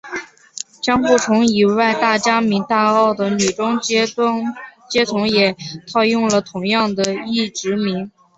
江户城以外大名家大奥的女中阶层也套用了同样的役职名。